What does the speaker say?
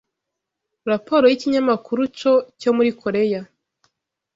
Raporo y’ikinyamakuru Cho cyo muri Koreya